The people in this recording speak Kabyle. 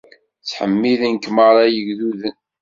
Ttḥemmiden-k merra yegduden!